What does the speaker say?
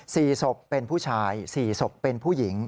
๔ศพเป็นผู้ชาย๔ศพเป็นผู้หญิง